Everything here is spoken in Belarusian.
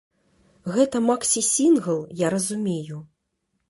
Гэта максі-сінгл, я разумею?